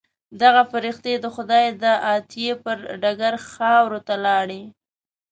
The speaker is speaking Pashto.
دغه فرښتې د خدای د عطیې پر ډګر خاورو ته لاړې.